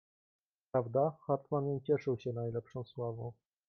"Co prawda, Hartmann nie cieszył się najlepszą sławą."